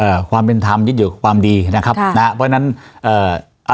ความเป็นธรรมยึดอยู่กับความดีนะครับค่ะนะฮะเพราะฉะนั้นเอ่อ